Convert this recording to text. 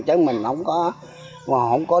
chứ mình không có